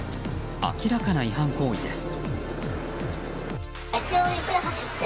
明らかな違反行為です。